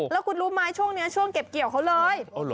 แล้วคุณรู้ไหมช่วงนี้ช่วงเก็บเกี่ยวเขาเลย